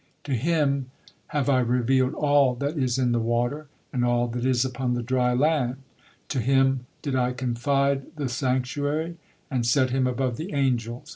To him have I revealed all that is in the water and all that is upon the dry land; to him did I confide the sanctuary and set him above the angels.